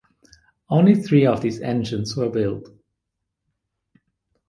Only three of these engines were built.